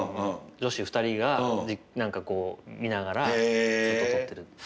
女子２人が何かこう見ながらずっと撮ってる。